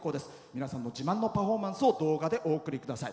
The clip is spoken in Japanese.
皆さんの自慢のパフォーマンスを動画でお送りください。